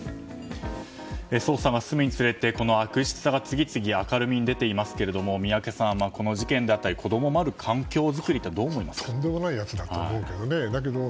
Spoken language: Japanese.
捜査が進むにつれて悪質さが次々と明るみに出ていますが宮家さん、この事件だったり子供を守る環境作りはとんでもないやつだと思うけどね。